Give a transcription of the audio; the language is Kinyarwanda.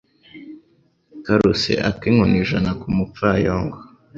karuse ak’inkoni ijana ku mupfayongo